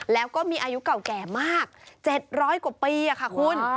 แล้วก็มีอายุเก่าแก่มาก๗๐๐กว่าปีค่ะคุณ